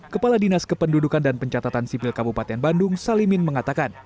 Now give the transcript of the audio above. kepala dinas kependudukan dan pencatatan sipil kabupaten bandung salimin mengatakan